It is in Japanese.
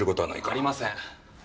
ありません。